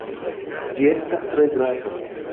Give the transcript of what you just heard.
Ĝi estas tre grava.